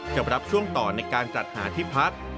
รับช่วงต่อในการจัดหาที่พัก